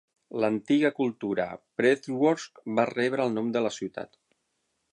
L'antiga cultura "przeworsk" va rebre el nom de la ciutat.